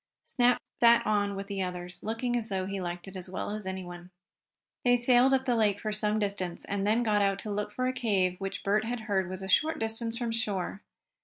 Snap sat on with the others, looking as though he liked it as well as anyone. They sailed up the lake for some distance and then got out to look for a cave which Bert had heard was a short distance from shore.